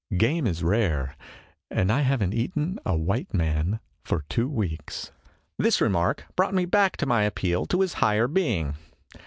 " Game is rare, and I have n't eaten a white man for two weeks." This remark brought me back to my appeal to his higher being.